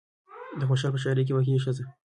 د خوشال په شاعرۍ کې واقعي ښځه